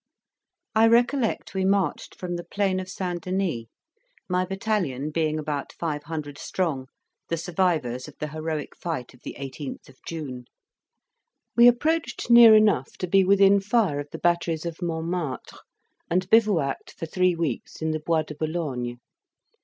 I recollect we marched from the plain of St. Denis, my battalion being about five hundred strong, the survivors of the heroic fight of the 18th of June. We approached near enough to be within fire of the batteries of Montmartre, and bivouacked for three weeks in the Bois de Boulogne.